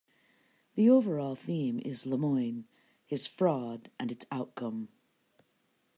The overall theme is Lemoine, his fraud and its outcome.